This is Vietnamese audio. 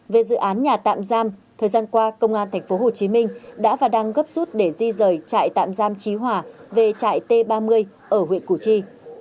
về dự án nhà tạm giam thời gian qua công an tp hcm đã và đang gấp rút để di rời trại tạm giam trí hòa về trại t ba mươi ở huyện củ chi